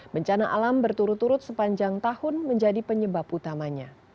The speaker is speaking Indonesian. bencana alam berturut turut sepanjang tahun menjadi penyebab utamanya